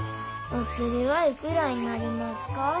お釣りはいくらになりますか？」。